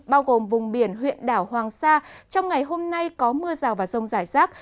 bao gồm vùng biển huyện đảo hoàng sa trong ngày hôm nay có mưa rào và rông rải rác